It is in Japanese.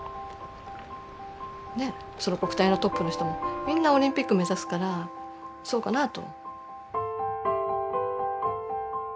ねえその国体のトップの人もみんなオリンピック目指すからそうかなぁと。